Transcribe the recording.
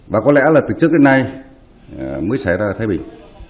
và có lẽ là từ trước đến nay mới xảy ra ở thái bình